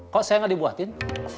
kok saya gak dibuatin